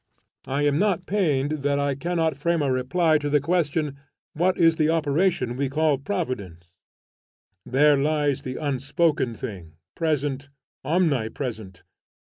I am not pained that I cannot frame a reply to the question, What is the operation we call Providence? There lies the unspoken thing, present, omnipresent.